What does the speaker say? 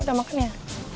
udah makan ya